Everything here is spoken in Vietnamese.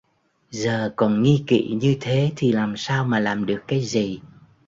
giờ còn nghi kỵ như thế thì làm sao mà làm được cái gì